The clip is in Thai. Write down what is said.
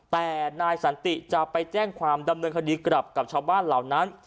แต่นายสันติจะไปแจ้งความดำเนินคดีกลับกับชาวบ้านเหล่านั้น